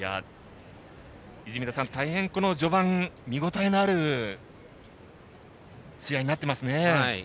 泉田さん、序盤、見応えのある試合になっていますね。